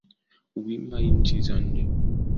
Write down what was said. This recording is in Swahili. Huimba nchi za nje